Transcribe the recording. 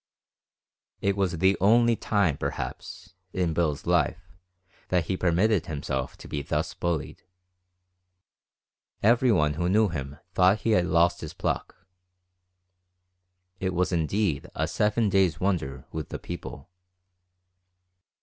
It was the only time, perhaps, in Bill's life, that he permitted himself to be thus bullied. Everyone who knew him thought he had lost his pluck. It was indeed a seven days' wonder with the people.